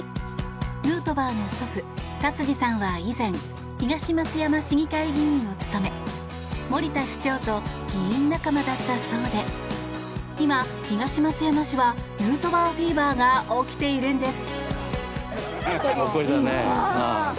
ヌートバーの祖父・達治さんは以前、東松山市議会議員を務め森田市長と議員仲間だったそうで今、東松山市はヌートバーフィーバーが起きているんです。